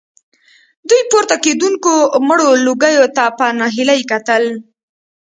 دوی پورته کېدونکو مړو لوګيو ته په ناهيلۍ کتل.